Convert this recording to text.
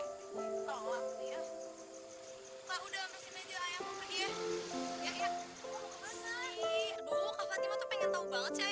kak udah ambil sini aja ayah mau pergi ya